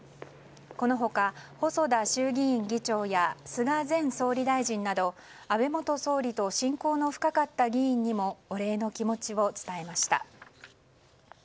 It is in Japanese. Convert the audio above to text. この他、細田衆議院議長や菅前総理大臣など安倍元総理と親交の深かった議員にもお礼の気持ちを伝えました。